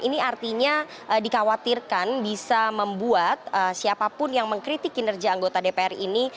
ini artinya dikhawatirkan bisa membuat siapapun yang mengkritik kinerja anggota dpr ini